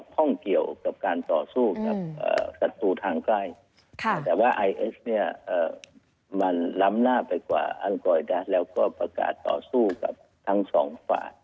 ข้องเกี่ยวกับการต่อสู้กับศัตรูทางใกล้แต่ว่าไอเอสเนี่ยมันล้ำหน้าไปกว่าอังกอริดาแล้วก็ประกาศต่อสู้กับทั้งสองฝ่าย